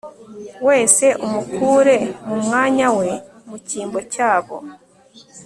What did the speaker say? wese umukure mu mwanya we mu cyimbo cyabo